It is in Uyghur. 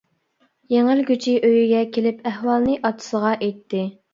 يېڭىلگۈچى ئۆيىگە كېلىپ ئەھۋالنى ئاتىسىغا ئېيتتى.